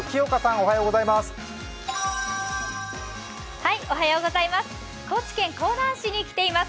おはようございます。